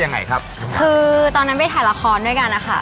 ยังไงครับคือตอนนั้นไปถ่ายละครด้วยกันนะคะ